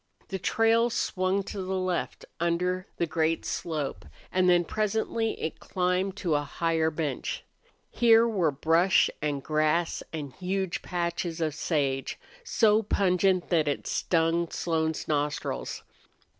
The trail swung to the left under the great slope, and then presently it climbed to a higher bench. Here were brush and grass and huge patches of sage, so pungent that it stung Slone's nostrils.